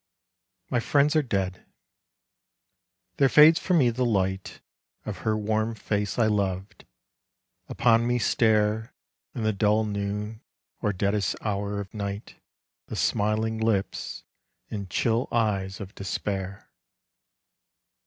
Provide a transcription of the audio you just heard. My friends are dead ... there fades from me the light Of her warm face I loved; upon me stare In the dull noon or deadest hour of night The smiling lips and chill eyes of Despair.